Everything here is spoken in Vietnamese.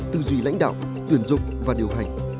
tư duy lãnh đạo tuyển dụng và điều hành